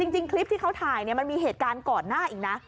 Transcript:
จริงคลิปที่เขาถ่ายมันมีเหตุการณ์ก่อนหน้าอีกนะ